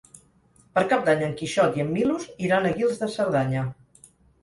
Per Cap d'Any en Quixot i en Milos iran a Guils de Cerdanya.